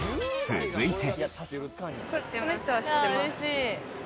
続いて。